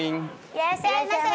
いらっしゃいませ。